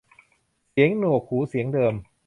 เสียงหนวกหูเสียงเดิม